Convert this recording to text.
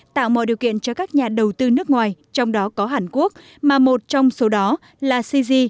tạo mọi điều kiện cho các nhà đầu tư nước ngoài trong đó có hàn quốc mà một trong số đó là cg